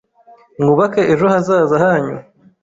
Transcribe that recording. mwubake ejo hazaza hanyu.